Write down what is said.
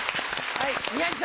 はい。